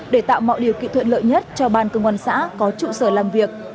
để tạo mọi điều kiện thuận lợi nhất cho ban công an xã có trụ sở làm việc